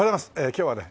今日はね